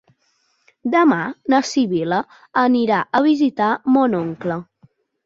Demà na Sibil·la anirà a visitar mon oncle.